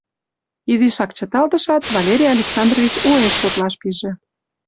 Изишак чыталтышат, Валерий Александрович уэш шотлаш пиже: